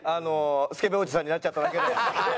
スケベおじさんになっちゃっただけで。